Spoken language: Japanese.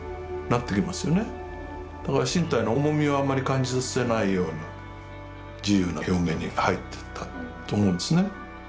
だから身体の重みをあんまり感じさせないような自由な表現に入ってったと思うんですね。